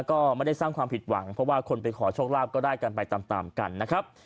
ก็ไม่ได้สร้างความผิดหวังเพราะว่าคนไปขอโชคลาภก็ได้กันไปตามกันนะครับ